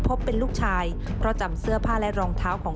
พบเป็นลูกชายเพราะจำเสื้อผ้าและรองเท้าของ